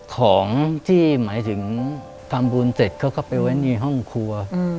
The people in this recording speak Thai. ของที่หมายถึงทำบุญเสร็จเขาก็ไปไว้ในห้องครัว